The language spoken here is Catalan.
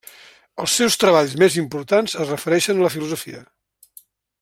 Els seus treballs més importants es refereixen a la filosofia.